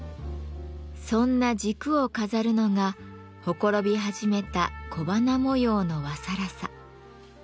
そんな軸を飾るのがほころび始めた小花模様の和更紗。